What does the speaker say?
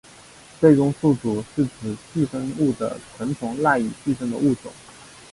最终宿主是指寄生物的成虫赖以寄生的物种。